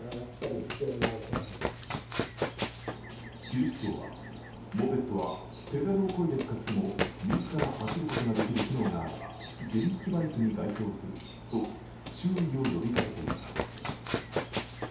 警視庁は、モペットはペダルをこいで使っても自ら走ることができる機能があれば原付バイクに該当すると注意を呼びかけています。